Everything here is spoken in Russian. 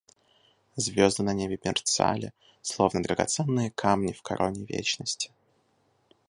Звезды на небе мерцали, словно драгоценные камни в короне вечности.